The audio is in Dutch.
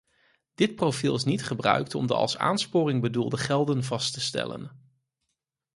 Dit profiel is niet gebruikt om de als aansporing bedoelde gelden vast te stellen.